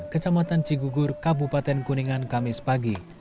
kecamatan cigugur kabupaten kuningan kamis pagi